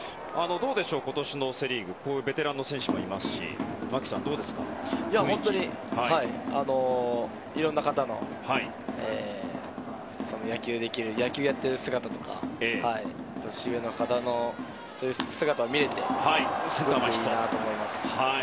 今年のセ・リーグベテランの選手もいますがいろんな方の野球をやっている姿とか年上の方のそういう姿を見れてすごくいいなと思います。